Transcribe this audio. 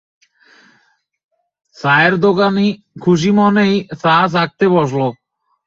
চায়ের দোকানি খুশি মনেই চা ছাঁকতে বসল।